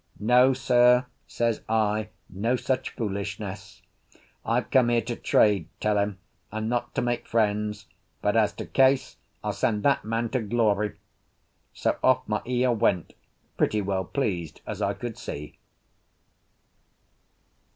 "No sir," says I, "no such foolishness. I've come here to trade, tell him, and not to make friends. But, as to Case, I'll send that man to glory!" So off Maea went, pretty well pleased, as I could see.